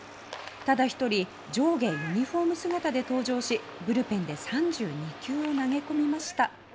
ただ１人上下ユニホーム姿で登場しブルペンで３２球を投げ込みました。